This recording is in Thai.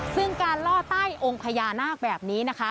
ซึ่งการล่อใต้องค์พญานาคแบบนี้นะคะ